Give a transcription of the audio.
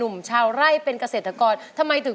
เพื่อจะไปชิงรางวัลเงินล้าน